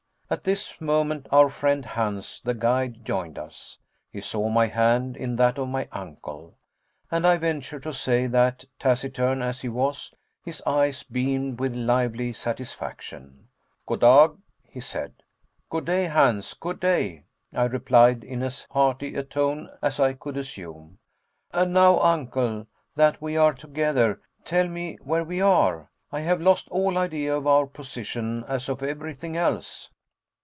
At this moment our friend Hans, the guide, joined us. He saw my hand in that of my uncle, and I venture to say that, taciturn as he was, his eyes beamed with lively satisfaction. "God dag," he said. "Good day, Hans, good day," I replied, in as hearty a tone as I could assume, "and now, Uncle, that we are together, tell me where we are. I have lost all idea of our position, as of everything else."